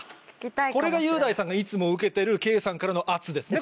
これが雄大さんがいつも受けてる圭さんからの圧ですね？